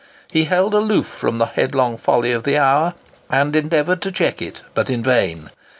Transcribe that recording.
He held aloof from the headlong folly of the hour, and endeavoured to check it, but in vain.